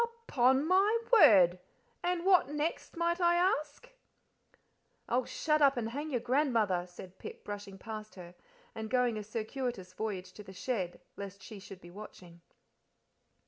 "Upon my word! And what next, might I ask?" "Oh, shut up, and hang your grandmother!" said Pip, brushing past her, and going a circuitous voyage to the shed lest she should be watching.